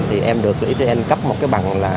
thì em được zn cấp một cái bằng là